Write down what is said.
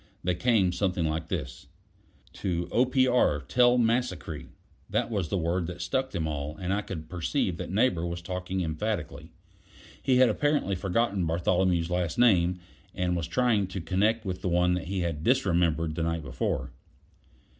They came something like this: "To Opr. Tell Massacree" that was the word that stuck them all, and I could perceive that Neighbor was talking emphatically. He had apparently forgotten Bartholomew's last name, and was trying to connect with the one he had "disremembered" the night before.